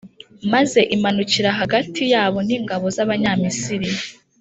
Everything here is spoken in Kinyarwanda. maze imanukira hagati yabo n’ingabo z’abanyamisiri.